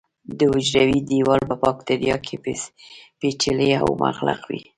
د حجروي دیوال په باکتریاوو کې پېچلی او مغلق وي.